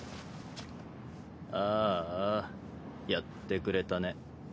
あぁあやってくれたね。